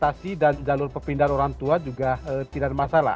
jalur prestasi dan jalur pepindahan orang tua juga tidak masalah